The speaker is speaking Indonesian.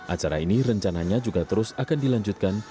acara ini rencananya juga terus akan dilanjutkan